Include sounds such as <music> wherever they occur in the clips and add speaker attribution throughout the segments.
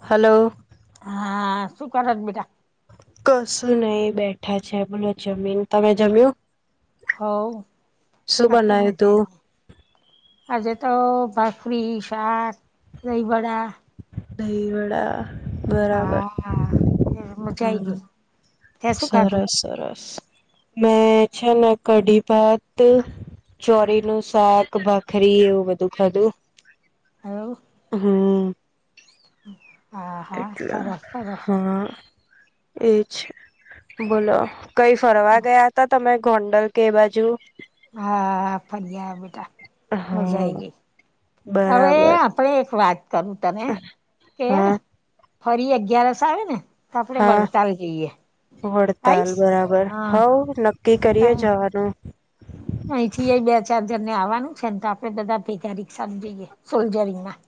Speaker 1: Hello.
Speaker 2: હા, શું કરશ બેટા?
Speaker 1: કશું નહીં, બેઠા છે, બોલો જમીન. તમે જમ્યું?
Speaker 2: હોવ.
Speaker 1: શું
Speaker 2: આજ તો
Speaker 1: બનાવ્યું
Speaker 2: મજા
Speaker 1: તું
Speaker 2: આઈ ગઈ. આજે તો ભાખરી, શાક, દહીંવડા
Speaker 1: દહીંવડા બરાબર,
Speaker 2: હા મજા આઈ
Speaker 1: હા.
Speaker 2: ગઈ તે શું ખાધું
Speaker 1: સરસ-સરસ. મેં છે ને કઢી ભાત ચોરી નું શાક, ભાખરી એવું બધું ખાધું.
Speaker 2: એવું
Speaker 1: હમ્મ.
Speaker 2: હા હા
Speaker 1: એટલે,
Speaker 2: સરસ સરસ
Speaker 1: હા. એ છે, બોલો કંઈ ફરવા ગયા તા તમે ગોંડલ કે એ બાજુ?
Speaker 2: હા ફરી આઈવા બેટા, મજા
Speaker 1: હા
Speaker 2: આઈ ગઈ. હવે
Speaker 1: બરાબર
Speaker 2: આપણેે એક વાત કરું તને, કે
Speaker 1: હા
Speaker 2: ફરી અગિયારસ આવે ને, તો આપડે
Speaker 1: હા
Speaker 2: વળતાલ જઈએ.
Speaker 1: વડતાલ,
Speaker 2: આવીશ
Speaker 1: બરાબર.
Speaker 2: હા
Speaker 1: હોવ નક્કી કરીએ જાવાનું.
Speaker 2: અહીં થી એ બે ચાર જણ ને આવવાનું છે ને, તો આપડે બધા ભેગા રિક્ષામાં જઈએ. સોલજરીમાં.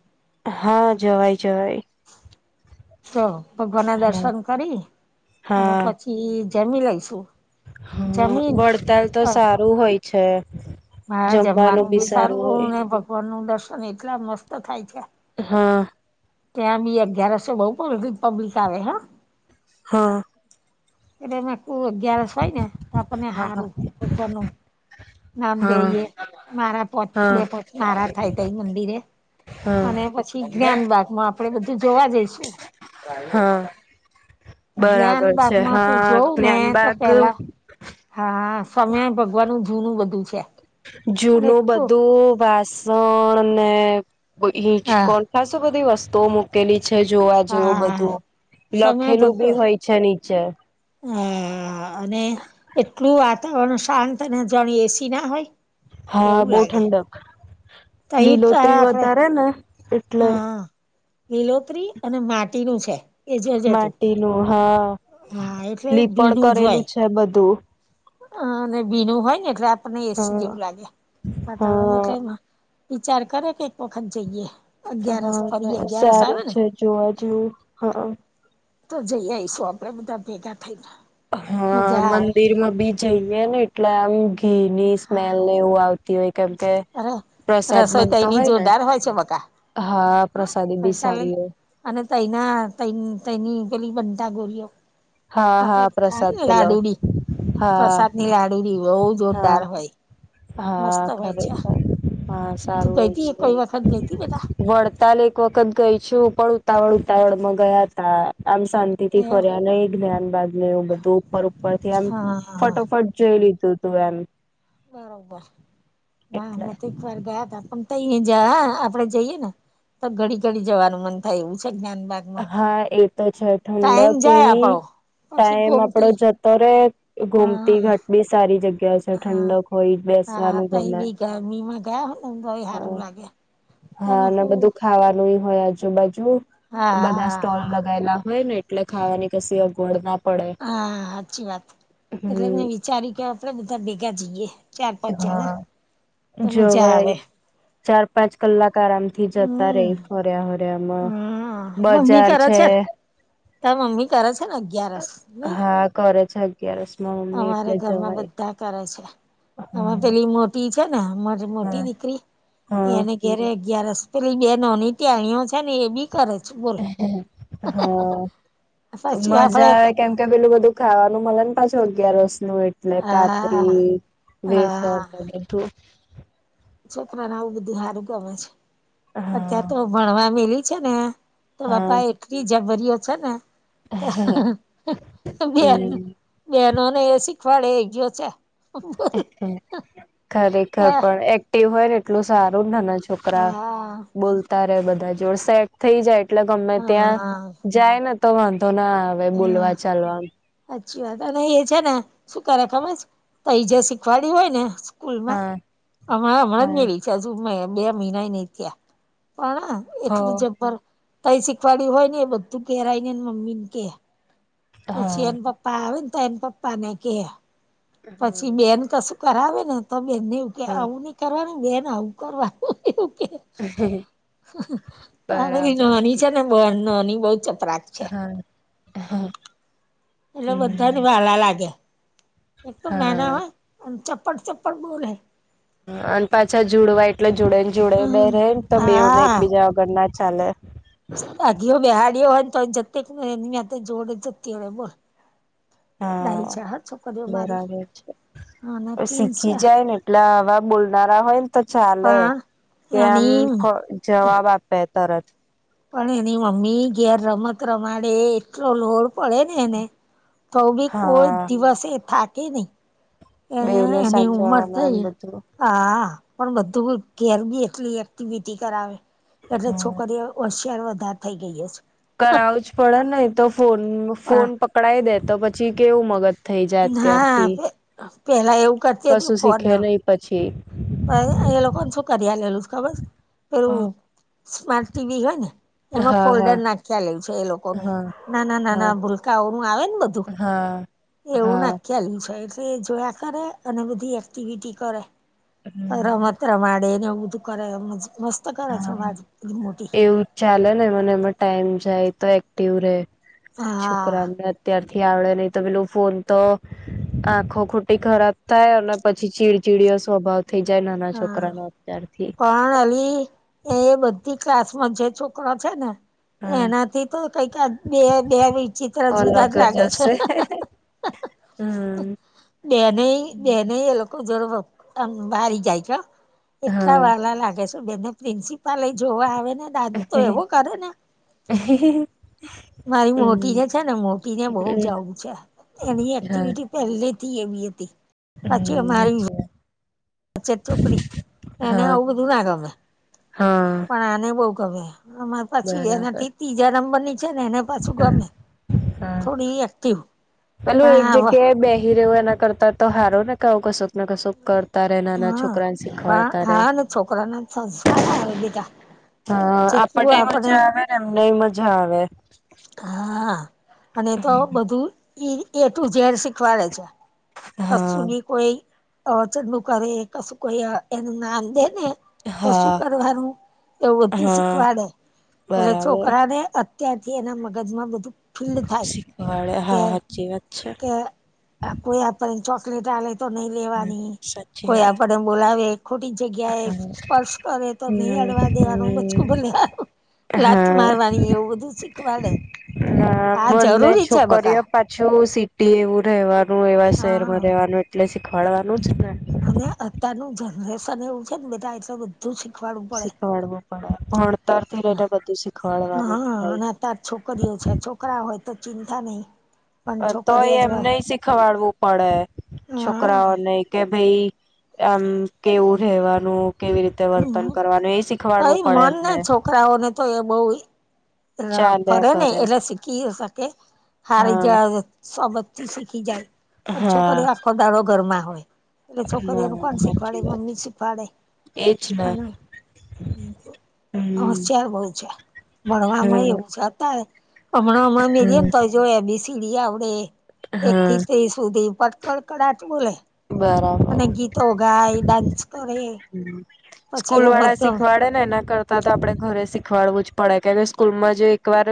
Speaker 1: હા, જવાય-જવાય.
Speaker 2: તો ભગવાન ના
Speaker 1: હા
Speaker 2: દર્શન કરી, અને
Speaker 1: હા
Speaker 2: પછી જમી લઈશું.
Speaker 1: હા.
Speaker 2: જમીન
Speaker 1: વડતાલ તો
Speaker 2: બસ
Speaker 1: સારું હોય છે.
Speaker 2: હા જમવાનું બી સારું, ને ભગવાન નું દર્શન એટલા મસ્ત થાય છે.
Speaker 1: હા.
Speaker 2: ત્યાં બી અગિયારસો બહું <unintelligible> પબ્લિક આવે હા.
Speaker 1: હા.
Speaker 2: એટલે મેં કુ અગિયારસ હોય ને તો આપણને
Speaker 1: હા
Speaker 2: હારું, ભગવાનનું નામ
Speaker 1: હા
Speaker 2: દઈએ, મારા પચ બે
Speaker 1: હા
Speaker 2: પચ મારા થાય તૈ મંદિરે.
Speaker 1: હા
Speaker 2: અને પછી જ્ઞાન બાગમાં આપડે બધું જોવા જઈશ
Speaker 1: હા. બરાબર છે,
Speaker 2: જ્ઞાનબાગમાં તું
Speaker 1: હા,
Speaker 2: જોવ ને તો
Speaker 1: જ્ઞાનબાગ
Speaker 2: પેલા હા, સમય ભગવાનનું જૂનું બધું છે. અને
Speaker 1: જૂનું
Speaker 2: એટલું
Speaker 1: બધું વાસણ ને
Speaker 2: હા
Speaker 1: હિંચકોન ખાસું બધી વસ્તુઓ મૂકેલી છે, જોવા જેવું
Speaker 2: હા હા
Speaker 1: બધું,
Speaker 2: સમય
Speaker 1: લખેલું
Speaker 2: ભગવા
Speaker 1: બી હોય છે નીચે.
Speaker 2: હા, અને એટલું વાતાવરણ શાંત ને જાણે એ સી ના હોય.
Speaker 1: હા,
Speaker 2: એવું
Speaker 1: બહુ
Speaker 2: લાગે
Speaker 1: ઠંડક
Speaker 2: તહી
Speaker 1: લીલોતરી
Speaker 2: આપડે
Speaker 1: વધારે ને એટલે.
Speaker 2: લિલોતરી અને માટીનું છે. એ જોજે તું
Speaker 1: માટીનું હા.
Speaker 2: હા, એટલે
Speaker 1: લીપણ
Speaker 2: ભીનું જ
Speaker 1: કરેલું
Speaker 2: હોય.
Speaker 1: છે બધું.
Speaker 2: હા, અને ભીનું હોય ને એટલે આપણને એ સી
Speaker 1: હા
Speaker 2: જેવું લાગે,
Speaker 1: હા
Speaker 2: <unintelligible> વિચાર કરે કે એક વખત જઈએ. અગિયારસ ફરી
Speaker 1: હા
Speaker 2: અગિયારસ આવે
Speaker 1: સારી
Speaker 2: ને
Speaker 1: છે જોવા જેવું હા.
Speaker 2: તો જઈ આવીઈશું આપડે બધા ભેગા થઈને.
Speaker 1: હા
Speaker 2: મજા આવે
Speaker 1: મંદિરમાં બી જઈે ને એટલે આમ ઘી ની
Speaker 2: હા
Speaker 1: સ્મેલ એવું આવત હોય કેમ કે
Speaker 2: અરે
Speaker 1: પ્રસાદ
Speaker 2: રસોઈ
Speaker 1: બનતો
Speaker 2: તઈની
Speaker 1: હોય ને.
Speaker 2: જોરદાર છે બકા
Speaker 1: હા પ્રસાદી
Speaker 2: હા
Speaker 1: બી
Speaker 2: ચાલે
Speaker 1: સારી હોય.
Speaker 2: અને તઈના તેની પેલી બનટા ગોરીઓ
Speaker 1: હા હા
Speaker 2: આપડે થાય
Speaker 1: પ્રસાદ
Speaker 2: ને
Speaker 1: પેલો
Speaker 2: લાડુડી
Speaker 1: હા
Speaker 2: પ્રસાદ ની લાડુડી બહુ
Speaker 1: હા
Speaker 2: જોરદાર હોય.
Speaker 1: હા
Speaker 2: મસ્ત હોય છે
Speaker 1: ખરેખર હા
Speaker 2: તું
Speaker 1: સારું
Speaker 2: ગઈ
Speaker 1: હોય
Speaker 2: હતી
Speaker 1: છે
Speaker 2: કઈ વખત ગઈ હતી બેટા.
Speaker 1: વડતાલ એક વખત ગઈ છું પણ ઉતાવળ ઉતાવળ માં ગયા તા આમ શાંતિ થી
Speaker 2: હા
Speaker 1: ફર્યા જ્યાન બાદ ને એવું બધું ઉપર ઉપર થી એમ
Speaker 2: હા
Speaker 1: ફટોફટ જોઈ લીધું તું એમ.
Speaker 2: બરોબર હ
Speaker 1: એટલે
Speaker 2: મેં તો એક વાર ગયા તા પણ ત જ આપડે જઈએ ને. તો ઘડી ઘડી જવાનું મન થાય એવું છે જ્ઞાન બાક
Speaker 1: હા એ તો છે ઠંડ
Speaker 2: જાય
Speaker 1: કેવી
Speaker 2: આપડો પછી
Speaker 1: ટાઈમ આપડો
Speaker 2: ગોમતી
Speaker 1: જતો રે ઘુમતી
Speaker 2: હા
Speaker 1: ઘટ બી સારી જગ્યા.
Speaker 2: હા
Speaker 1: ઠંડક હોોઈ
Speaker 2: હા
Speaker 1: બેસવાનું
Speaker 2: તઈ
Speaker 1: ગમે
Speaker 2: બી ગરમીમાં ગયા હોય ને તો સારું
Speaker 1: હા
Speaker 2: લાગે
Speaker 1: હા
Speaker 2: તમે
Speaker 1: અને
Speaker 2: કોઈ
Speaker 1: બધું ખાવાનું હોય આજુબાજુ
Speaker 2: હા
Speaker 1: બધા
Speaker 2: હા
Speaker 1: સ્ટોલ
Speaker 2: હા
Speaker 1: લગાયેલા હોય ને એટલે ખાવાની કશ અગવડ ના પડે
Speaker 2: હા સાચી વાત એટલે મેં
Speaker 1: હમ
Speaker 2: વિચારી્યું કે આપડે બધા ભેગા જઈએ. ચાર પાંચ જણા.
Speaker 1: હા
Speaker 2: તો મજા આવે
Speaker 1: જોવાય ચાર પાંચ કલાક આરામથી જતા
Speaker 2: હમ
Speaker 1: રહી ફ હર્યા હર્યામાં
Speaker 2: હમ
Speaker 1: બજાર છે.
Speaker 2: ત મમ્મી કરે છે ને અગિયારસ નહી.
Speaker 1: હ કરે છે અગિયારસ માં મમ્મી એટલે
Speaker 2: ઘરમાં
Speaker 1: જવાય.
Speaker 2: બધા કરે છે આમાં
Speaker 1: હા
Speaker 2: પેલી મોટી છે નેરી મોટી દીકરી એ
Speaker 1: હા
Speaker 2: એને ઘરે અગિયારસ પેલી બે નોની તાણીઓ છે ને એ બી કરે છે. બોલ
Speaker 1: હા
Speaker 2: પછી આપડે
Speaker 1: મજા કેમ પેલું બધું ખાવાનું મળેને પાછું અગિયારસનું એ એટલે
Speaker 2: હા
Speaker 1: કાત્રી વેફરું
Speaker 2: હા
Speaker 1: એ બધું.
Speaker 2: છોકરાને આવું બધું સારું ગમે છે
Speaker 1: હા
Speaker 2: અત્યારે તો ભણવા મેલી છે ને. તો બાપા
Speaker 1: હા
Speaker 2: એટલી જબરીઓ છે ને. બેન
Speaker 1: હમ
Speaker 2: બહેનોને એ શીખવાડે એ ગયો છે.
Speaker 1: ખરેખર
Speaker 2: હા
Speaker 1: પણ એક એક્ટીવ હોય ને એટલું સારું નાના છોકરા
Speaker 2: હા
Speaker 1: બોલતા રે બધા જોડ સેટ થઈ જાય એટલે ગમે ત્યાં
Speaker 2: હા
Speaker 1: જાય ને તો વાંધો ના આવે બોલવા ચાલવા.
Speaker 2: સાચી વાત અને એ છે ને શું કરે ખમસ તો એ જે શીખવાળીયું હોય ને સ્કૂલમાં
Speaker 1: હા
Speaker 2: હમણાં
Speaker 1: હા
Speaker 2: હમણાં <unintelligible> હજુ બે મહિના નહી ત્યાં પણ એટલું
Speaker 1: હ
Speaker 2: જબર તઈ શીખવાડ્યું હોય ને એ બધું ઘેર આવીને મમ્મી ને કે પછી
Speaker 1: હા
Speaker 2: એને પપ્પા આવે ને તો એને પપ્પા ને કે. પછી બેન કશું કરાવે ને તો બેન ને એવું કે
Speaker 1: હા
Speaker 2: આવું નહી કરવાનું બેન આવું કરવાનું એવું કે અરી
Speaker 1: બરાબર
Speaker 2: નોની છે ને નોની બહૂં ચપરા
Speaker 1: હા, હા.
Speaker 2: એટલે બધાને વાલા લાગે, એક તો નાના
Speaker 1: હા
Speaker 2: હોય અને ચપ્પટ ચપ્પટ બોલે.
Speaker 1: અને પાછા જુંડવા એટલે જોડે ને જોડે બે
Speaker 2: હમ
Speaker 1: રહે ને તો બેને એક બીજા વગર ના ચાલે.
Speaker 2: આગી બેહાડી હોય તોય જતી જોડ જતી રે બોલ. ડાહી
Speaker 1: હા
Speaker 2: છે હ છોકરીઓ મારી.
Speaker 1: બરાબર છે
Speaker 2: અને પ્રિન્સ
Speaker 1: શીખી
Speaker 2: છે
Speaker 1: જાય ને એટલે આવા બોલનારા હોય ને તો ચાલે.
Speaker 2: પણ
Speaker 1: કે આમ
Speaker 2: એની
Speaker 1: ફ જવાબ આપે તરત.
Speaker 2: પણ એની મમ્મી ઘેર રમત રમાડે એટલો લોડ પડે ને એને, તો બી કોઈ
Speaker 1: હા
Speaker 2: દિવસ એ થાકે નહી. એ
Speaker 1: બેવને
Speaker 2: એની ઉંમર
Speaker 1: સાચાવાના ને
Speaker 2: થઈ
Speaker 1: બધું.
Speaker 2: હા, પણ બધું ઘેર બી એટલી એક્ટિવિટી કરાવે એટલે
Speaker 1: હમ
Speaker 2: છોકરીઓ હોશિયાર વધાર થઇ ગઈ હસે.
Speaker 1: કરાવું જ પડે નઈ તો ફોન ફોન
Speaker 2: પણ
Speaker 1: પકડાઈ દે તો પછી કેવું મગજ થઈ જાય
Speaker 2: હા,
Speaker 1: અત્યારથી
Speaker 2: પે પેહલા એવું
Speaker 1: કશું શીખે નહી પછી.
Speaker 2: એ એ લોકોને શું કરી આલેલુ છ ખબર?
Speaker 1: હા
Speaker 2: પેલું સ્માર્ટ ટી વી હોય ને, એમાં
Speaker 1: હા હા
Speaker 2: ફોલ્ડર નાખ્યા લેલુ છે એ લોકોનું.
Speaker 1: હા
Speaker 2: નાના નાના ભૂલકાઓનું આવે ને બધું?
Speaker 1: હ હા.
Speaker 2: ચલ્યું છે એટલે એ જોયા કરે અને બધી એક્ટિવિટી કરે.
Speaker 1: હમ
Speaker 2: રમત રમાડે ને એવું બધું કરે. મ મસ્ત કરે છે
Speaker 1: હા
Speaker 2: અમારી મોટી.
Speaker 1: એવું ચાલે ને મને એમાં ટાઈમ જાય તો એક્ટિવ રેહ
Speaker 2: હા
Speaker 1: છોકરાને અત્યારથી આવડે નહી તો પેલું ફોન તો આંખો ખોટી ખરાબ થાય અને પછી ચીડચીડી સ્વભાવ થઈ જાય નાના છોકરા
Speaker 2: હા
Speaker 1: નો અત્યારથી.
Speaker 2: પણ અલી એ એ બધી ક્લાસમાં જે છોકરા છે ને
Speaker 1: હા
Speaker 2: એનાથી તો કઈક આ બે બે વિચિત્ર જુદા જ
Speaker 1: અલગ
Speaker 2: લાગે છે.
Speaker 1: હમ્મ.
Speaker 2: બેનેઈ બેને એ લોકો જોણ આમ બારી જાય છે હ.
Speaker 1: હા
Speaker 2: એટલા વાલા લાગે છે બેને પ્રિન્સિપાલ એ જોવા આવે ને, ડાન્સ તો
Speaker 1: હમ
Speaker 2: એવો કરે ને!
Speaker 1: <inaudible>
Speaker 2: મારી મોટી જે છે ને, મોટી ને બઉ જવું છે. એની એક્ટિવિટી પેલ્લેથી એવી હતી.
Speaker 1: હમ્મ, અચ્છા.
Speaker 2: વચ્છોકરી એને આવું બધું ના ગમે,
Speaker 1: હા
Speaker 2: પણ આને બઉ ગમે. અમારે પાછું
Speaker 1: બરાબર
Speaker 2: એનાથી તીજા નંબર ની છે ને એને પાછું
Speaker 1: હા
Speaker 2: ગમે,
Speaker 1: હા
Speaker 2: થોડી એક્ટિવ.
Speaker 1: પેલું
Speaker 2: પણ
Speaker 1: એક
Speaker 2: આ
Speaker 1: જગ્યાએ બેહી રેહવું એના કરતા તો હારુ ને કઉ કસુક ને કસુક કર
Speaker 2: હા હા હા ને છોકરા ના સંસ્કાર આવે બીધા.
Speaker 1: હા આપણને મજા આવે ને એમને એ મજા આવે.
Speaker 2: હા અને એ તો બધું એ એ ટું ઝેડ શીખવાડે છે.
Speaker 1: હા
Speaker 2: કશું બી કોઈ અચંદુ કરે, કશું કોઈ એનું નામ દે ને તો
Speaker 1: હા
Speaker 2: શું કરવાનું? એવું બધું
Speaker 1: હા
Speaker 2: શીખવાડે એટલે
Speaker 1: બરાબર
Speaker 2: છોકરાને અ ત્યારથી એના મગજમાં બધું ફિલ્ડ થાય
Speaker 1: શીખવાડે
Speaker 2: કે
Speaker 1: હા સાચી વાત છે
Speaker 2: કે આ કોઈ આપણને ચોકલેટ આલે તો નઈ લેવાની,
Speaker 1: સાચી
Speaker 2: કોઈ
Speaker 1: વાત
Speaker 2: આપણને બોલાવે ખોટી જગ્યા એ
Speaker 1: હા
Speaker 2: સ્પર્શ કરે તો નહી અડવા
Speaker 1: હમ
Speaker 2: દેવાનું બચકું
Speaker 1: હમ
Speaker 2: ભર લેવાનું. લાત
Speaker 1: હા
Speaker 2: મારવાની એવું બધું શીખવાડે.
Speaker 1: હા બંને
Speaker 2: જરૂરી છે બકા
Speaker 1: છોકરીઓ પાછું સિટી એવું રેહવાનું એવા
Speaker 2: હા
Speaker 1: શેહેરમાં રેહવાનું એટલે શીખવાડવાનું જ ને.
Speaker 2: અને અત્યારનું જનરેશન એવું છે ને બધાય સબં ધુ શીખવાડું
Speaker 1: શીખવાડવું પડે ભણતર થી રઇને બધું શીખવાડવાનું થાય.
Speaker 2: તાર છોકરીઓ છે છોકરા હોય તો ચિંતા નહી. પણ
Speaker 1: તો એ
Speaker 2: છોકરીઓ જ
Speaker 1: એમનેય સીખવાડવું પડે
Speaker 2: હા
Speaker 1: છોકરાઓને, કે ભઈ આમ કેવું રહેેવાનું, કેવી રીતે વર્તન
Speaker 2: હમ
Speaker 1: કરવાનું એય શીખવાડવું પડે એમને
Speaker 2: છોકરાઓ ને તો એ બહુ જ
Speaker 1: ચાલ્યા
Speaker 2: ફરે ને
Speaker 1: કરે
Speaker 2: એટલે સીખી યે સકે. હારી
Speaker 1: હા
Speaker 2: જાય, સોબતથી સીખી જાય પણ
Speaker 1: હા
Speaker 2: છોકરીઓ આખો દાડો ઘરમાં હોય. એટલે
Speaker 1: ના
Speaker 2: છોકરીનું કોણ
Speaker 1: સાચી
Speaker 2: સીખવાડે?
Speaker 1: વાત
Speaker 2: મમ્મી જ સીખવાડે.
Speaker 1: એજ ને
Speaker 2: અને હ,
Speaker 1: હમ
Speaker 2: હોસિયાર હોય છે ભણવા
Speaker 1: હા
Speaker 2: એવું જતા, હમણાં અમારે મેલીને
Speaker 1: હા
Speaker 2: તો જો એ બી સીડી આવડે એક
Speaker 1: હા
Speaker 2: થી ત્રીસ સુધી પટ કડકડાટ બોલે.
Speaker 1: બરાબર
Speaker 2: ને ગીતો ગાય, ડાન્સ કરે, પછી
Speaker 1: સ્કૂલવાળા
Speaker 2: રમત ગમ
Speaker 1: સીખવાડે? ને એના કરતા તો આપડે ઘરે સીખવાડવુ જ પડે, કેદે સ્કૂલમાં જ એકવાર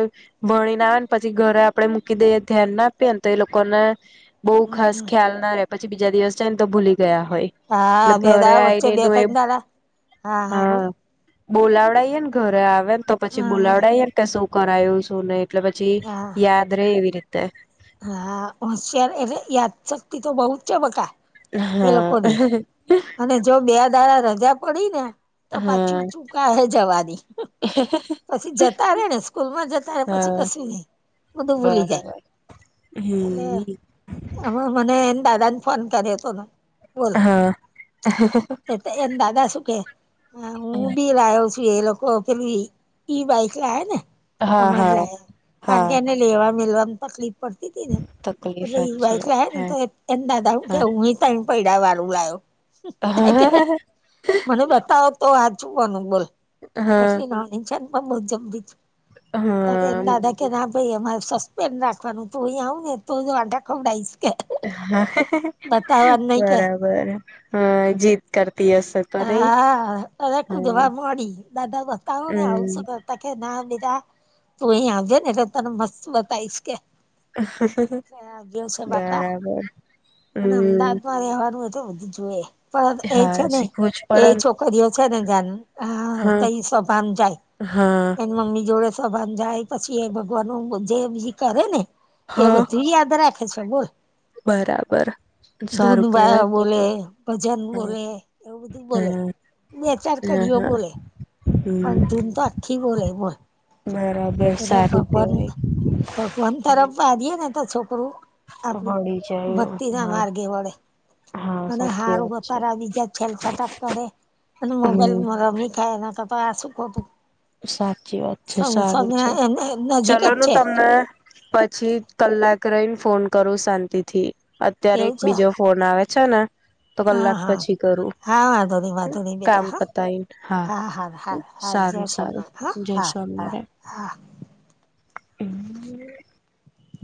Speaker 1: ભણીન આવે ન પછી, ઘરે આપડે મૂકી દઈએ, ધ્યાન ના આપીએન, તો એ લોકોને બઉ
Speaker 2: હમ
Speaker 1: ખાસ ખ્યાલ ના રહેે. પછી બીજા દિવસ જાય ને તો ભૂલી ગયા હોય. એટલે
Speaker 2: હા, બે
Speaker 1: ઘરે
Speaker 2: દાડા વચ્ચે
Speaker 1: આવીને
Speaker 2: બેક
Speaker 1: એનું
Speaker 2: જ દાર, હા, હા બોલ
Speaker 1: બોલાવડાઈએન, ઘરે આવે ન તો પછી
Speaker 2: હા
Speaker 1: બોલાવડાઇએ ને કે સુ કરાયું, સુ નહી એટલે પછી,
Speaker 2: હા
Speaker 1: યાદ રે એવી રીતે
Speaker 2: હા, હોશિયાર એટલે યાદસક્તિ તો બહુ જ છે, બકા! એ
Speaker 1: હા
Speaker 2: લોકોની અને જો બે દાડા રજા પડી ને, તો પાછું
Speaker 1: હા
Speaker 2: ચૂકાહે જવાની. પછી જતા રે ને, સ્કૂલ માં જતા હોય પછી
Speaker 1: હા
Speaker 2: કશું નહી, બધું ભૂલી જાય
Speaker 1: બરાબર
Speaker 2: અને
Speaker 1: હમ
Speaker 2: હમણાં મને એન દાદાને ફોન કર્યોતો ને! બોલ,
Speaker 1: હા
Speaker 2: એત એન દાદા સુ કે, હું બી રાહ્યો છું એ લોકો પેલું ઈ ઈબાઈક લાયાને?
Speaker 1: હા
Speaker 2: હમણાં જ
Speaker 1: હા
Speaker 2: લાયા કાણકે
Speaker 1: હા
Speaker 2: એને લેવા-મેલવામાં તકલીફ પડતીતી ને
Speaker 1: તકલીફ
Speaker 2: એટલે એ
Speaker 1: સાચી
Speaker 2: બાઇક લાયા ને તો
Speaker 1: વાત
Speaker 2: એન દાદા એવું કે
Speaker 1: હા
Speaker 2: હું તૈન પૈડાવારુ લાયો.
Speaker 1: હા
Speaker 2: મને બતાવો તો આજુવાનું બોલ,
Speaker 1: હા
Speaker 2: એટલી નાની છે પણ બહુ જબરી છે. ત એન
Speaker 1: હા
Speaker 2: દાદા કે, ના ભાઈ અમારે સસ્પેન્ રાખ તું અહીંયા આવ ને, તો જ હું આટા ખવડાઈશ. કે
Speaker 1: હા,
Speaker 2: બતાવવાનું નહી કે
Speaker 1: બરાબર. હા, જીદ કરતી હસે!
Speaker 2: હા, હવે ખુદ કેવા માંડી, દાદા બતાવો ને આવુ સુ
Speaker 1: હમ
Speaker 2: કરો તાર કે, ના બેટા, તું અહીયા આવજે ને એટલે તને મસ્ત બતાવીશ કે એટલે આ એવું છે, બાપા!
Speaker 1: બરાબર
Speaker 2: અને અમદાવાદ
Speaker 1: હમ
Speaker 2: માં રહેવાનું એ તો બહુ જ પણ એ છે
Speaker 1: હા
Speaker 2: ને,
Speaker 1: શીખવું જ
Speaker 2: એ
Speaker 1: પડે ને
Speaker 2: છોકરીઓ છે ને, જાનુ હા ત એ સભામ જાય,
Speaker 1: હા
Speaker 2: એન મમ્મી જોડે સભામ જાય, પછી એ ભગવાનનું જે એમજી કરે ને, એ
Speaker 1: હા
Speaker 2: બધુ યાદ રાખે! બોલ!
Speaker 1: બરાબર
Speaker 2: ધૂન
Speaker 1: સારું
Speaker 2: બા
Speaker 1: કેવાય તો તો
Speaker 2: બોલે, ભજન
Speaker 1: હા
Speaker 2: બોલે ધૂન બોલે,
Speaker 1: હમ
Speaker 2: બેચાર
Speaker 1: હા
Speaker 2: કડીઓ
Speaker 1: હા
Speaker 2: બોલે પણ
Speaker 1: હમ
Speaker 2: ધૂન તો આખી બોલે, બોલ!
Speaker 1: બરાબર
Speaker 2: એટલે
Speaker 1: સારું
Speaker 2: ભગવાન,
Speaker 1: કેવાય
Speaker 2: ભગવાન તરફ આવીએને તો છોક કરુ, આપણું
Speaker 1: વળી જાય
Speaker 2: ભક્તિ ના
Speaker 1: હા
Speaker 2: માર્ગે વડે
Speaker 1: હા
Speaker 2: અને
Speaker 1: સાચી
Speaker 2: હારું
Speaker 1: વાત
Speaker 2: બપા
Speaker 1: છે
Speaker 2: ર બીજા છેલ છાટાક કરે અને
Speaker 1: હમ
Speaker 2: મોબાઈલમાં રમી ખાય એતો આ શું ખોટુ
Speaker 1: સાચી વાત છે, સારું છે,
Speaker 2: એને નજીક જ
Speaker 1: ચલો ન
Speaker 2: છે
Speaker 1: તમને પછી કલાક રહીન ફોન કરું સાંતિથી, અત્યારે
Speaker 2: એવું
Speaker 1: એક
Speaker 2: છે
Speaker 1: બીજો ફોન આવે છે ને! તો
Speaker 2: હા
Speaker 1: કલાક
Speaker 2: હા
Speaker 1: પછી કરું
Speaker 2: હા વાંધો નહી વાંધો નહી
Speaker 1: કામ પતાયને હા સારું
Speaker 2: હાજાર સ
Speaker 1: સારું
Speaker 2: હા
Speaker 1: જય
Speaker 2: હા હા હા
Speaker 1: એમ